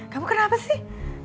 kamu kenapa sih